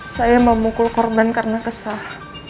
saya memukul korban karena kesal